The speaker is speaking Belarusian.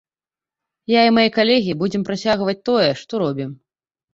Я і мае калегі будзем працягваць тое, што робім.